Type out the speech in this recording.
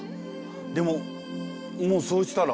でももうそうしたら。